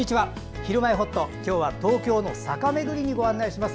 「ひるまえほっと」今日は東京の坂めぐりにご案内します。